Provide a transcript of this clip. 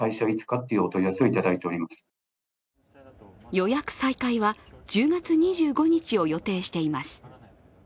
予約再開は１０月２５日を予定しています。